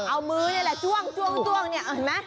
เอามือนี่แหละจ้วงเนี่ยเห็นไหม